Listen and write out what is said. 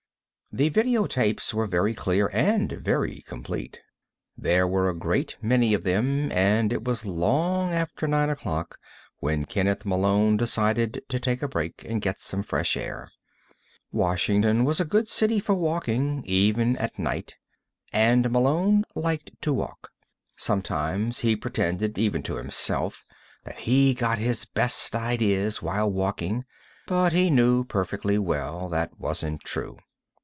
The video tapes were very clear and very complete. There were a great many of them, and it was long after nine o'clock when Kenneth Malone decided to take a break and get some fresh air. Washington was a good city for walking, even at night, and Malone liked to walk. Sometimes he pretended, even to himself, that he got his best ideas while walking, but he knew perfectly well that wasn't true.